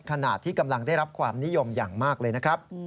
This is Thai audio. ขณะที่กำลังได้รับความนิยมอย่างมากเลยนะครับ